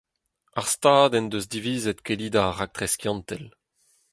Ar stad en deus divizet kellidañ ar raktres skiantel.